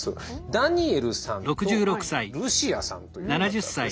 ダニエルさんとルシアさんという方です。